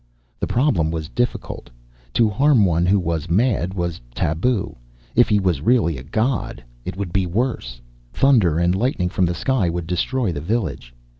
The problem was difficult. To harm one who was mad was tabu. If he was really a god, it would be worse. Thunder and lightning from the sky would destroy the village.